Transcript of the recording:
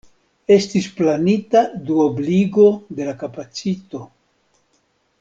Estis planita duobligo de la kapacito.